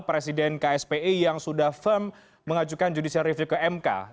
presiden kspi yang sudah firm mengajukan judicial review ke mk